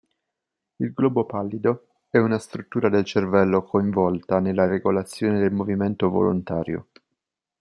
Il globo pallido è una struttura del cervello coinvolta nella regolazione del movimento volontario.